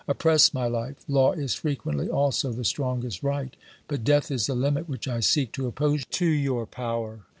Oppress my life, law is frequently also the strongest right, but death is the limit which I seek to oppose to your power.